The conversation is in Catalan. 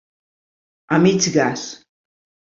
A mig gas.